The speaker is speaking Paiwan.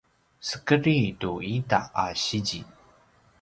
sekedri tu ita a sizi